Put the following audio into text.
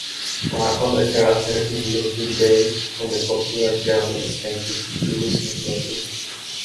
Part of the character is loosely based on the popular young scientist Louis Slotin.